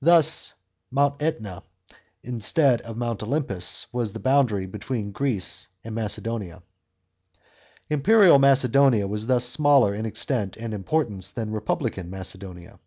Thus Mount (Eta, instead of Mount Olympus, was the boundary between Macedonia and Greece. Imperial Macedonia was thus smaller in extent and importance than republican Macedonia.